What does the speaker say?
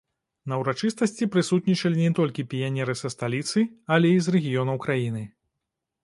На ўрачыстасці прысутнічалі не толькі піянеры са сталіцы, але і з рэгіёнаў краіны.